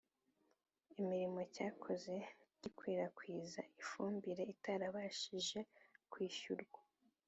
imirimo cyakoze gikwirakwiza ifumbire itarabashije kwishyurwa.